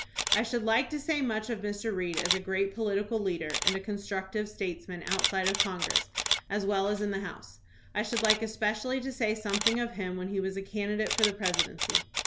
I should like to say much of Mr. Reed as a great political leader and constructive statesman outside of Congress, as well as in the House. I should like especially to say something of him when he was a candidate for the presidency.